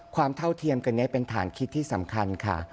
เท่าเทียมกันนี้เป็นฐานคิดที่สำคัญค่ะ